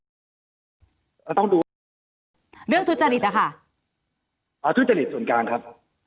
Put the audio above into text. เราต้องดูเรื่องทุจริตอ่ะค่ะอ่าทุจริตส่วนกลางครับ